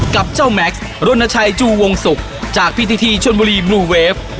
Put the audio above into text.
กับเจ้าแม็กซ์รณชัยจูวงศุกร์จากพิธีชนบุรีบลูเวฟ